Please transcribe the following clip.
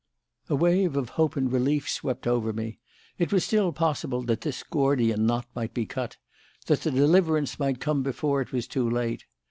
A wave of hope and relief swept over me. It was still possible that this Gordian knot might be cut; that the deliverance might come before it was too late.